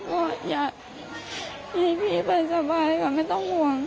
ก็อยากให้พี่ไปสบายค่ะไม่ต้องห่วง